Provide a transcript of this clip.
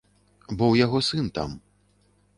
Бо ў яго сын там.